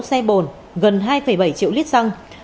sáu xe bồn gần hai bảy triệu lít xăng